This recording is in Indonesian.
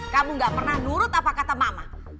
kamu gak pernah nurut apa kata mama